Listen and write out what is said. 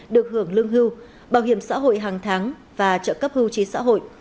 được hưởng lương hưu bảo hiểm xã hội hàng tháng và trợ cấp hưu trí xã hội